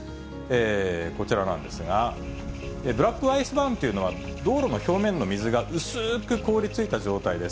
こちらなんですが、ブラックアイスバーンというのは、道路の表面の水が薄ーく凍りついた状態です。